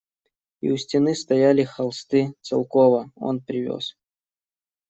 И у стены стояли холсты Целкова, он привез.